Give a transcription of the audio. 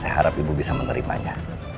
saya harap ibu bisa menerimanya